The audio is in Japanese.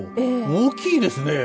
大きいですね。